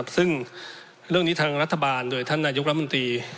ซึ่งเรื่องนี้ทางรัฐบาลโดยท่านนายกรัฐมนตรี